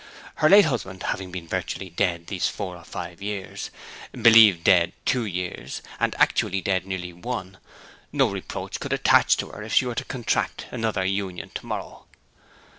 Her late husband having been virtually dead these four or five years, believed dead two years, and actually dead nearly one, no reproach could attach to her if she were to contract another union to morrow.'